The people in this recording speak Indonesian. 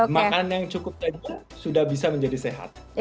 makanan yang cukup lezat sudah bisa menjadi sehat